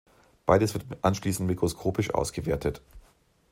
Beides wird anschließend mikroskopisch ausgewertet.